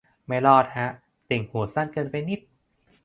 ไม่รอดฮะ ติ่งหูสั้นเกินไปนิด